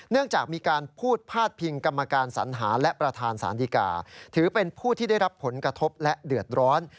จากมีการพูดพาดพิงกรรมการสัญหาและประธานสารดีกาถือเป็นผู้ที่ได้รับผลกระทบและเดือดร้อน